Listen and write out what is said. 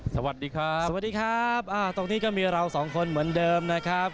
สวัสดีครับสวัสดีครับอ่าตรงนี้ก็มีเราสองคนเหมือนเดิมนะครับ